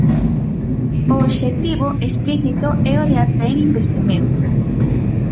O obxectivo explícito é o de "atraer investimento".